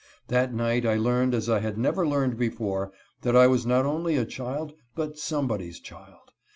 That night I learned as I had never learned before, that I was not only a child, but somebody's child.